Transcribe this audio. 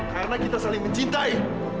karena kita saling mencintai